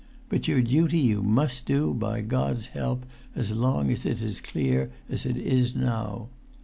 But your duty you must do, by God's help, as long as it is as clear as it is now.